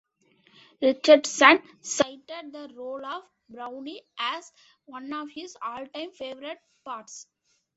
Richardson cited the role of Berowne as one of his all-time favorite parts.